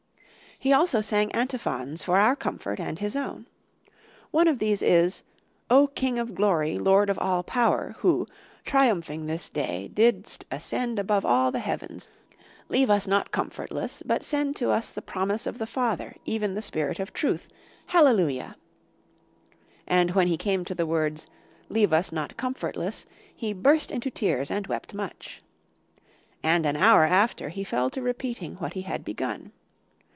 "He also sang antiphons for our comfort and his own. One of these is, 'O King of Glory, Lord of all power, Who, triumphing this day, didst ascend above all the heavens, leave us not comfortless, but send to us the promise of the Father, even the Spirit of Truth—Hallelujah.' And when he came to the words, 'leave us not comfortless,' he burst into tears and wept much. And an hour after, he fell to repeating what he had begun.